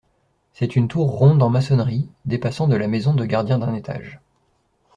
C'est une tour ronde en maçonnerie dépassant de la maison de gardien d'un étage.